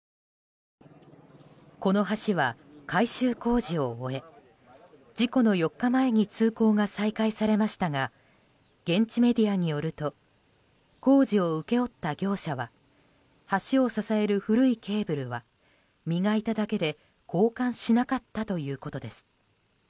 この橋は、改修工事を終え事故の４日前に通行が再開されましたが現地メディアによると工事を請け負った業者は橋を支える古いケーブルは磨いただけで交換しなかったということです。